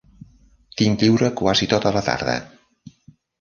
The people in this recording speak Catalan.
Tinc lliure quasi tota la tarda.